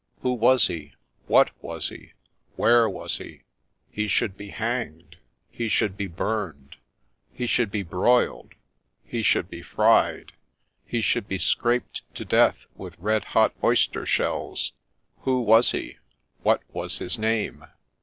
' Who was he ?'—' What was he ?'—' Where was he ?'— He should be hanged, — he should be burned, — he should be broiled, — he should be fried, — he should be scraped to death with red hot oyster shells !' Who was he ?'—' What was his name